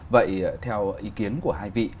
vậy theo ý kiến của hai vị